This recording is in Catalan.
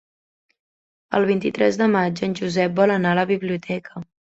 El vint-i-tres de maig en Josep vol anar a la biblioteca.